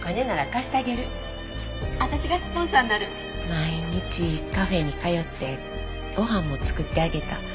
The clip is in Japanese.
毎日カフェに通ってご飯も作ってあげた。